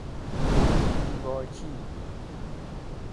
بی باکی